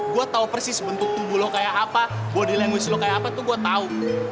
gue tahu persis bentuk tubuh lo kayak apa body languis lo kayak apa tuh gue tau